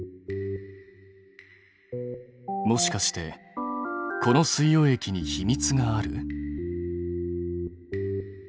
もしかしてこの水溶液に秘密がある？